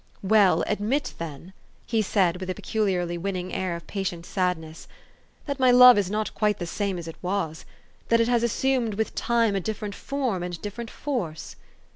" Well, admit then," said he with a peculiarly winning air of patient sadness, " that my love is not quite the same as it was ; that it has assumed, with time, a different form and different force."